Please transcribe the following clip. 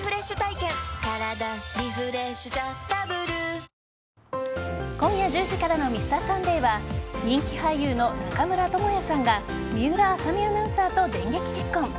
シミの原因に根本アプローチ今夜１０時からの「Ｍｒ．サンデー」は人気俳優の中村倫也さんが水卜麻美アナウンサーと電撃結婚。